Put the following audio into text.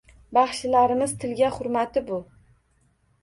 Baxshilarimiz tilga hurmatu bu.